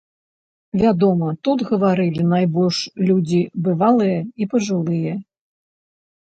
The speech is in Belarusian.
Вядома, тут гаварылі найбольш людзі бывалыя і пажылыя.